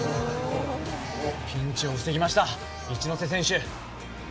ピンチを防ぎました一ノ瀬選手